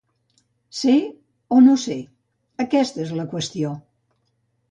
Ser o no ser, aquesta és la qüestió.